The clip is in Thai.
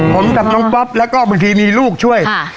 ผมกับน้องป๊อปแล้วก็บางทีมีลูกช่วย